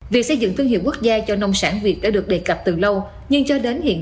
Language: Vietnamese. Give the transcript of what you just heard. việc xây dựng thương hiệu quốc gia cho nông sản việt đã được đề cập từ lâu nhưng cho đến hiện